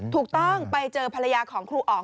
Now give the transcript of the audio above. ถูกต้องไปเจอภรรยาของครูอ๋อง